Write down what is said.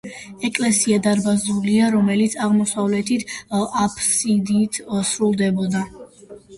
ეკლესია დარბაზულია, რომელიც აღმოსავლეთით აფსიდით სრულდებოდა.